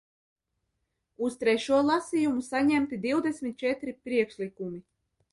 Uz trešo lasījumu saņemti divdesmit četri priekšlikumi.